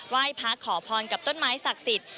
ไหว้พระขอพรกับต้นไม้ศักดิ์สิทธิ์